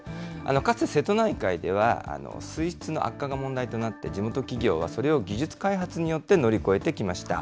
かつて瀬戸内海では、水質の悪化が問題となって、地元企業はそれを技術開発によって乗り越えてきました。